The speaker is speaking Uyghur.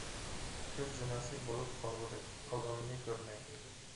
كۆز زىناسى بولۇپ قالغۇدەك، قالغىنىنى كۆرمەي.